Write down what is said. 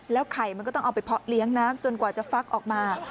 ไข่มันก็ต้องเอาไปเพาะเลี้ยงน้ำจนกว่าจะฟักออกมา